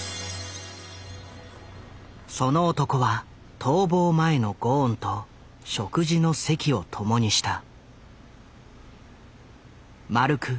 その男は逃亡前のゴーンと食事の席を共にした。